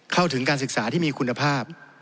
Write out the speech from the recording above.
เข้าถึงการศึกษาที่มีคุณภาพ